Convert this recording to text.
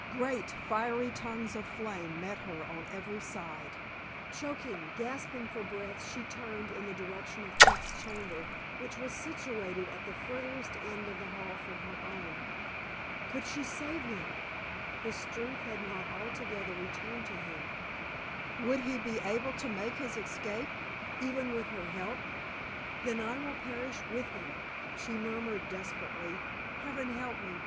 Great, fiery tongues of flame met her on every side. Choking, gasping for breath, she turned in the direction of Keith's chamber, which was situated at the furthest end of the hall from her own. Could she save him? His strength had not altogether returned to him. Would he be able to make his escape, even with her help? "Then I will perish with him!" she murmured, desperately. "Heaven help me!